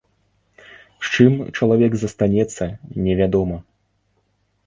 З чым чалавек застанецца, невядома.